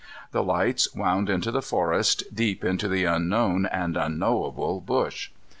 The lights wound into the forest, deep into the unknown and unknowable bush.